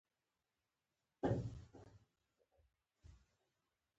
د لوی او استعماري قدرتونه د ګټو په تلاښ کې وي.